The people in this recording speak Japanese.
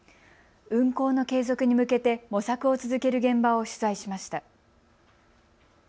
運行の継続に向けて模索を続ける現場を取材しました。